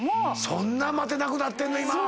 そんな待てなくなってんの？